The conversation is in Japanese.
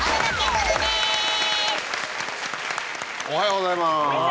おはようございます。